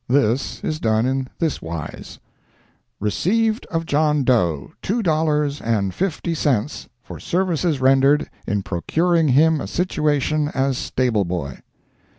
This is done in this wise: "Received of John Doe, two dollars and fifty cents, for services rendered in procuring him a situation as stable boy."